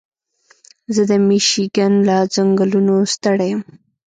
زه د مېشیګن له ځنګلونو ستړی یم.